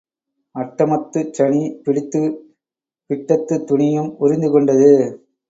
அட்டமத்துச் சனி பிடித்துப் பிட்டத்துத் துணியும் உரிந்து கொண்டது.